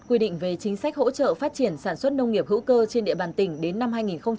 quy định về chính sách hỗ trợ phát triển sản xuất nông nghiệp hữu cơ trên địa bàn tỉnh đến năm hai nghìn ba mươi